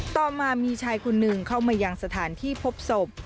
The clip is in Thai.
ต่อมามีชายคนหนึ่งเข้ามายังสถานที่พบศพ